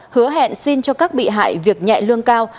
hứa hẹn xin cho các bị hại việc nhẹ lương cao